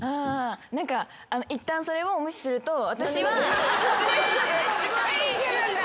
何かいったんそれを無視すると私は。